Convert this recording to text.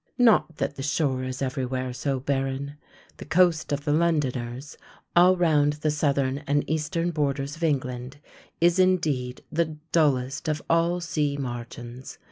Not that the shore is everywhere so barren. The coast of the Londoners all round the southern and eastern borders of England is indeed the dullest of all sea margins.